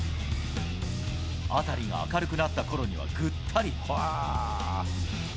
辺りが明るくなったころにはぐったり。